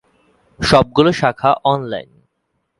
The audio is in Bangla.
সবগুলো শাখা অনলাইন।